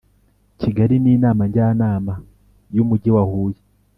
Kigali n Inama Njyanama y Umujyi wa huye